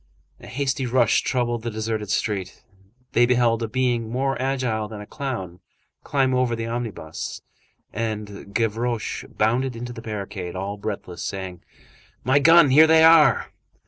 A hasty rush troubled the deserted street; they beheld a being more agile than a clown climb over the omnibus, and Gavroche bounded into the barricade, all breathless, saying:— "My gun! Here they are!"